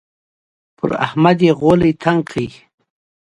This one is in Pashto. پر احمد يې غولی تنګ کړ.